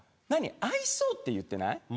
何「愛想」って言ってない？